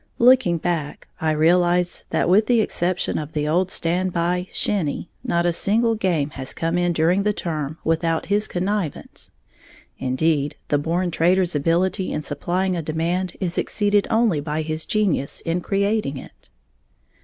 Looking back, I realize that, with the exception of the old stand by, shinny, not a single game has come in during the term without his connivance. Indeed, the born trader's ability in supplying a demand is exceeded only by his genius in creating it.